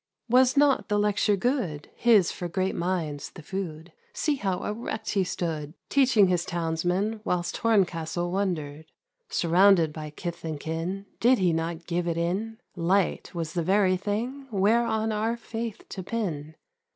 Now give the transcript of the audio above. Was not the lecture good, His for great minds the food I See how erect he stood. Teaching his Townsmen, Whilst Horncastle wondered ! Surrounded by Kith and Kin, Did he not give it in ?" Light " was tjie very thing Whereon our faith to pin.